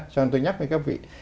cho nên tôi nhắc với các vị